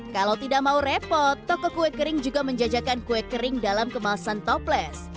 kalau tidak mau repot toko kue kering juga menjajakan kue kering dalam kemasan toples